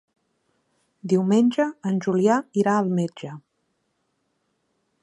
Diumenge en Julià irà al metge.